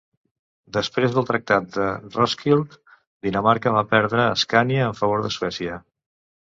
Després del Tractat de Roskilde Dinamarca va perdre Escània en favor de Suècia.